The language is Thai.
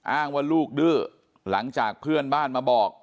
อ้างว่าลูกดื้อหลังจากเพื่อนบ้านมาบอก